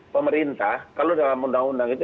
pemerintah kalau dalam undang undang itu